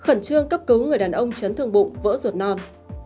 khẩn trương cấp cứu người đàn ông chấn thương bụng vỡ ruột non